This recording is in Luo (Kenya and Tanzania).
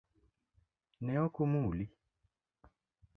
Ne oko muli?